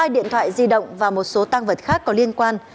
hai điện thoại di động và một số tăng vật khác có liên quan